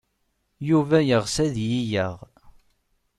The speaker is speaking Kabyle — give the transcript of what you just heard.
Yuba yeɣs ad iyi-yaɣ.